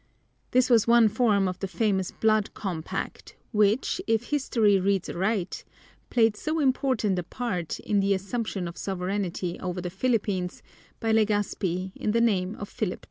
This was one form of the famous "blood compact," which, if history reads aright, played so important a part in the assumption of sovereignty over the Philippines by Legazpi in the name of Philip II.